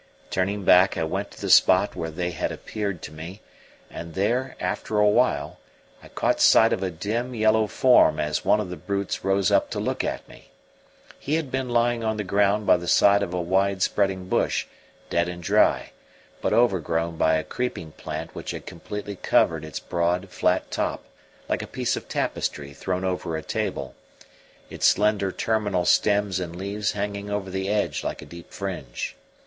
Turning back, I went to the spot where they had appeared to me; and there, after a while, I caught sight of a dim, yellow form as one of the brutes rose up to look at me. He had been lying on the ground by the side of a wide spreading bush, dead and dry, but overgrown by a creeping plant which had completely covered its broad, flat top like a piece of tapestry thrown over a table, its slender terminal stems and leaves hanging over the edge like a deep fringe.